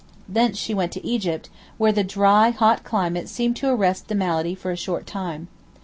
Thence she went to Egypt, where the dry hot climate seemed to arrest the malady for a short time.